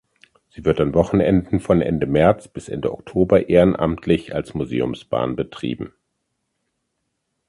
Sie wird an Wochenenden von Ende März bis Ende Oktober ehrenamtlich als Museumsbahn betrieben.